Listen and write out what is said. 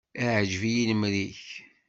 Iεǧeb-iyi lemri-k.